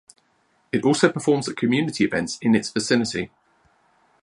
It also performs at community events in its vicinity.